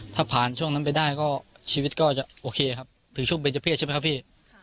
ถ้าผ่านช่วงนั้นไปได้ก็ชีวิตก็จะโอเคครับถือช่วงเบนเจอร์เพศใช่ไหมครับพี่